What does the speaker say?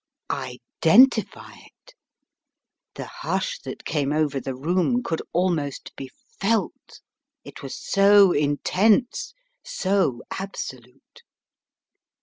Identify it? The hush that came over the room could almost be felt, it was so intense, so absolute.